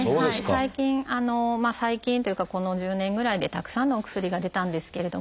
最近最近というかこの１０年ぐらいでたくさんのお薬が出たんですけれども。